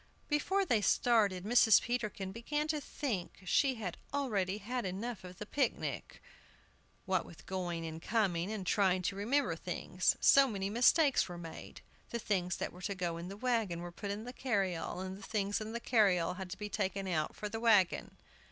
Before they started, Mrs. Peterkin began to think she had already had enough of the picnic, what with going and coming, and trying to remember things. So many mistakes were made. The things that were to go in the wagon were put in the carryall, and the things in the carryall had to be taken out for the wagon!